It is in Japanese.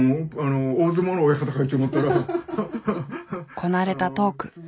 こなれたトーク。